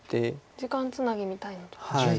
時間つなぎみたいなとこですか？